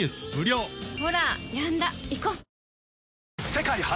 世界初！